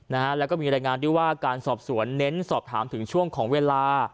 นะฮะแล้วก็มีรายงานด้วยว่าการสอบสวนเน้นสอบถามถึงช่วงของเวลา